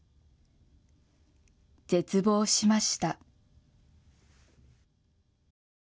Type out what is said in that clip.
絶望しました。